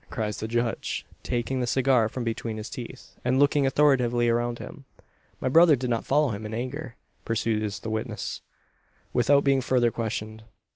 cries the judge, taking the cigar from between his teeth, and looking authoritatively around him. "My brother did not follow him in anger," pursues the witness, without being further questioned.